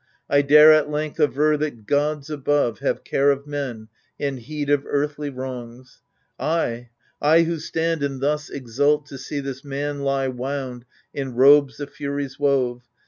I dare at length aver that gods above Have care of men and heed of earthly wrongs. I, I who stand and thus exult to see This man lie wound in robes the Furies wove.